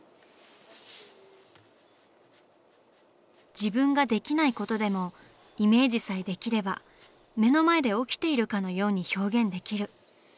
自分ができないことでもイメージさえできれば目の前で起きているかのように表現できる。